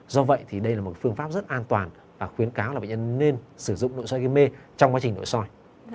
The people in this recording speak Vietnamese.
do vậy thì đây là một phương pháp rất an toàn và khuyến cáo là bệnh nhân nên sử dụng nội soi gây mê trong quá trình nội soi